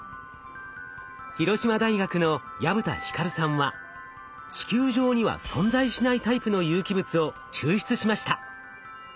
広島大学の薮田ひかるさんは地球上には存在しないタイプの有機物を抽出しました。